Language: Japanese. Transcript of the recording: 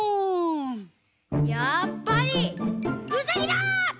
やっぱりうさぎだぁ！